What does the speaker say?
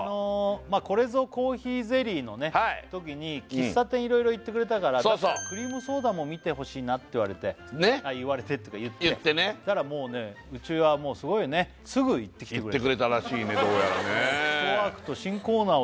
「これぞコーヒーゼリー」のときに喫茶店いろいろ行ってくれたからだったらクリームソーダも見てほしいなって言われて言われてっていうか言ってたらもうねうちはもうすごいね行ってくれたらしいね